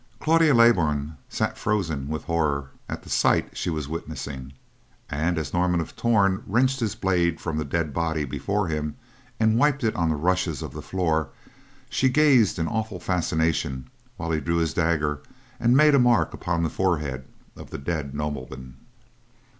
Claudia Leybourn sat frozen with horror at the sight she was witnessing, and, as Norman of Torn wrenched his blade from the dead body before him and wiped it on the rushes of the floor, she gazed in awful fascination while he drew his dagger and made a mark upon the forehead of the dead nobleman.